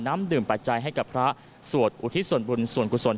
น้ำดื่มปัจจัยให้กับพระสวดอุทิศส่วนบุญส่วนกุศล